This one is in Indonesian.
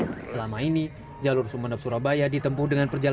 untuk tahap kedua jadwal penerbangan sumeneb surabaya hanya ditempuh sekitar empat puluh menit